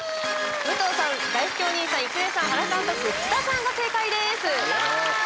武藤さん、だいすけお兄さん郁恵さん、原監督、福田さんが正解です。